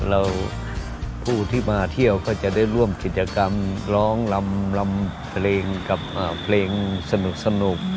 แล้วผู้ที่มาเที่ยวก็จะได้ร่วมกิจกรรมร้องลำเพลงกับเพลงสนุก